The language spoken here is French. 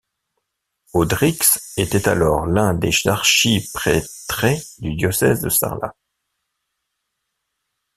Audrix était alors l'un des archiprêtrés du diocèse de Sarlat.